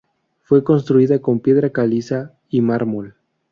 Fue construida con piedra caliza y mármol.